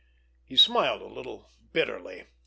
He smiled a little bitterly.